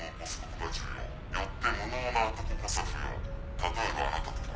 「“例えばあなたとか”